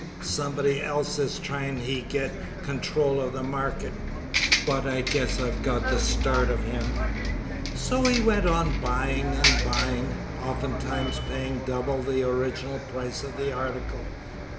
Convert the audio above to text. "Somebody else is tryin' hi git control of the market. But I guess I've got the start of him." So he went on buying and buying, oftentimes paying double the original price of the article.